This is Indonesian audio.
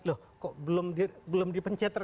loh kok belum dipencet